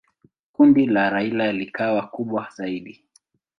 Kundi la Raila likawa kubwa zaidi.